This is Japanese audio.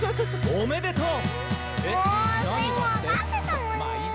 「おめでとう！」